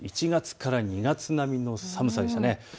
１月から２月並みの寒さでしたね。